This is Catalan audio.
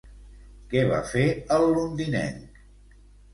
Què va fer, el londinenc?